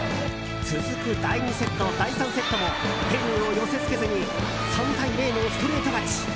続く第２セット、第３セットもペルーを寄せ付けずに３対０のストレート勝ち。